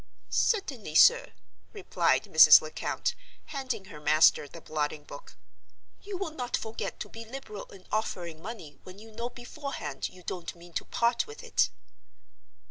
"Certainly, sir," replied Mrs. Lecount, handing her master the blotting book. "You will not forget to be liberal in offering money when you know beforehand you don't mean to part with it?"